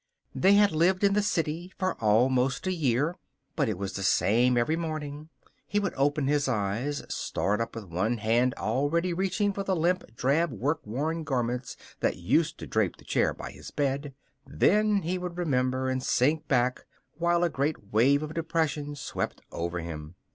They had lived in the city for almost a year, but it was the same every morning. He would open his eyes, start up with one hand already reaching for the limp, drab work worn garments that used to drape the chair by his bed. Then he would remember and sink back while a great wave of depression swept over him.